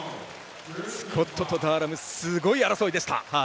スコットとダーラムすごい争いでした。